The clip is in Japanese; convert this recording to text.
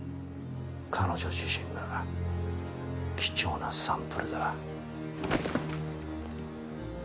彼女自身が貴重なサンプルだ。